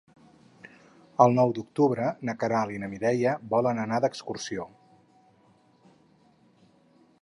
El nou d'octubre na Queralt i na Mireia volen anar d'excursió.